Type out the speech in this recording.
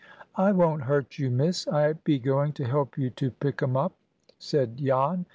"I won't hurt you, Miss. I be going to help you to pick 'em up," said Jan.